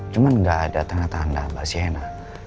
cuma gak ada tanda tanda mbak sienna